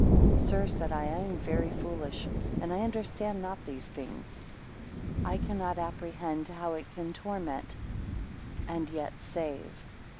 3 Sir, said I, I am very foolish, and understand not these things. I cannot apprehend how it can torment, and yet save.